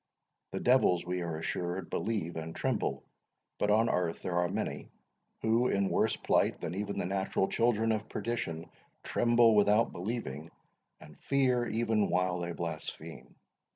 The devils, we are assured, believe and tremble; but on earth there are many, who, in worse plight than even the natural children of perdition, tremble without believing, and fear even while they blaspheme.